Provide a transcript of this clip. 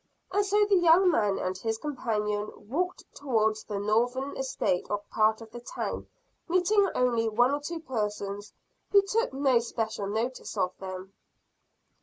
And so the young man and his companion walked towards the north eastern part of the town, meeting only one or two persons, who took no special notice of them.